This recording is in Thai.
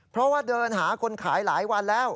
เพราะว่าเดินหาคนขายหลายวันแล้ว